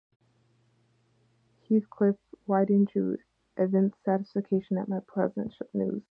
Heathcliff, why don’t you evince satisfaction at my pleasant news?